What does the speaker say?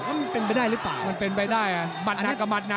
มันเป็นไปได้หรือเปล่า